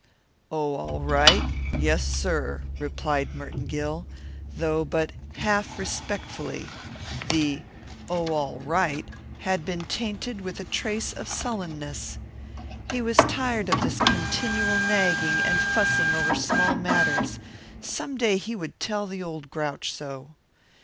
"Oh, all right yes, sir," replied Merton Gill, though but half respectfully. The "Oh, all right" had been tainted with a trace of sullenness. He was tired of this continual nagging and fussing over small matters; some day he would tell the old grouch so.